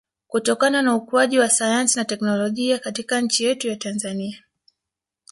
kutokana na ukuaji wa sayansi na technolojia katika nchi yetu ya Tanzania